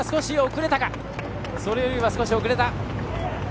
それよりは少し遅れた。